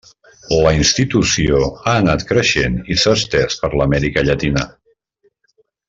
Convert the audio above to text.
La institució ha anat creixent i s'ha estès per Amèrica Llatina.